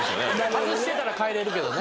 外してたら帰れるけどね。